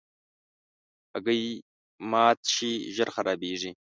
هګۍ مات شي، ژر خرابیږي.